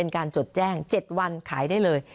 การจดแจ้ง๗วันขายได้เลย